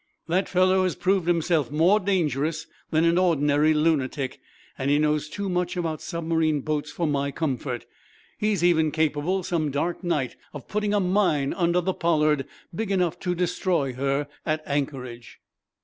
"That fellow has proved himself more dangerous than an ordinary lunatic, and he knows too much about submarine boats for my comfort. He's even capable, some dark night, of putting a mine under the 'Pollard' big enough to destroy her at anchorage."